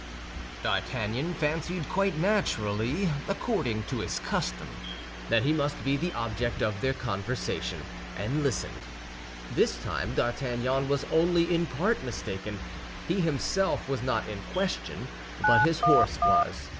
D'Artagnan fancied quite naturally, according to his custom, that he must be the object of their conversation, and listened. This time D'Artagnan was only in part mistaken; he himself was not in question, but his horse was.